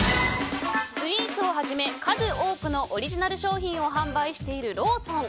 スイーツをはじめ、数多くのオリジナル商品を販売しているローソン。